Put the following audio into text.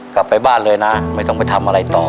กลับไปบ้านเลยนะไม่ต้องไปทำอะไรต่อ